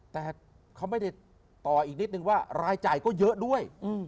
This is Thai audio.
แต่เขาไม่ได้ต่ออีกนิดนึงว่ารายจ่ายก็เยอะด้วย